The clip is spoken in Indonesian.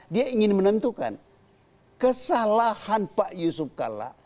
dia ingin menentukan kesalahan pak yusuf kalla